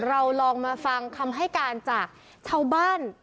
เราลองมาฟังคำให้การจากชาวบ้าน